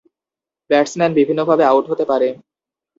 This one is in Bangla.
ব্যাটসম্যান বিভিন্নভাবে আউট হতে পারে।